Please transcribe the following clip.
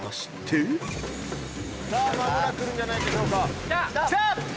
さあ間もなく来るんじゃないでしょうか。